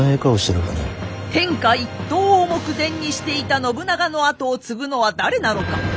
天下一統を目前にしていた信長の後を継ぐのは誰なのか。